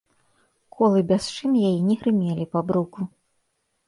Колы без шын яе не грымелі па бруку.